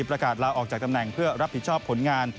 ประกาศลาออกจากตำแหน่งเพื่อรับผิดชอบผลงาน